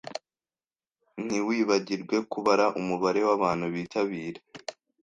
Ntiwibagirwe kubara umubare wabantu bitabira.